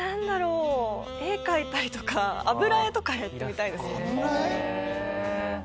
絵を描いたりとか油絵とかやってみたいです。